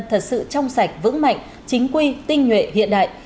thật sự trong sạch vững mạnh chính quy tinh nhuệ hiện đại